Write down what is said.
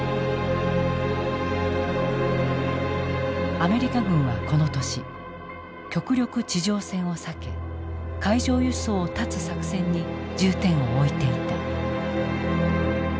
アメリカ軍はこの年極力地上戦を避け海上輸送を断つ作戦に重点を置いていた。